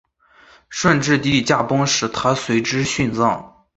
顺治帝驾崩时她随之殉葬。